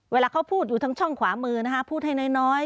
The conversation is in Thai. เวลาเขาพูดอยู่ทางช่องขวามือนะคะพูดให้น้อย